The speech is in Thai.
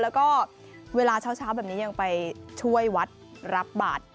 แล้วก็เวลาเช้าแบบนี้ยังไปช่วยวัดรับบาท